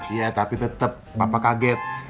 iya tapi tetap bapak kaget